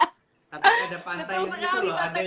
tapi ada pantai yang gitu loh